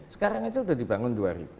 sekarang aja udah dibangun dua ribu